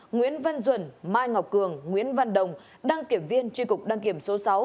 nguyễn văn duẩn mai ngọc cường nguyễn văn đồng đăng kiểm viên tri cục đăng kiểm số sáu